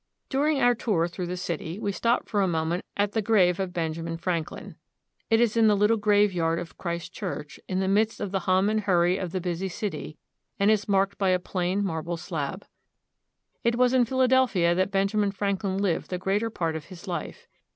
During our tour through the city we stop for a moment at the grave of Benjamin Franklin. It is in the little grave yard of Christ Church, in the midst of the hum and hurry of the busy city, and is marked by a plain marble slab. It was in Philadelphia that l ^enjamin Franklin lived the greater part of his life.